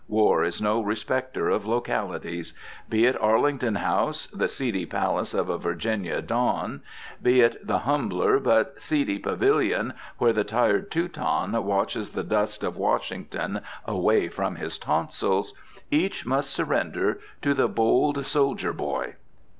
War is no respecter of localities. Be it Arlington House, the seedy palace of a Virginia Don, be it the humbler, but seedy, pavilion where the tired Teuton washes the dust of Washington away from his tonsils, each must surrender to the bold soldier boy.